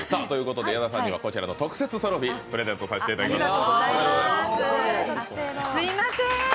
矢田さんにはこちらの特製トロフィープレゼントさせていただきます。